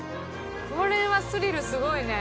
これはスリルすごいね。